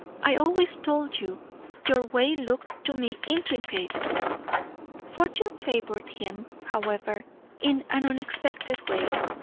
I always told you your way looked to me intricate." Fortune favoured him, however, in an unexpected way.